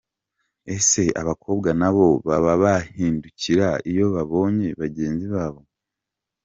Ese abakobwa nabo baba bahindukira iyo babonye bagenzi babo ?.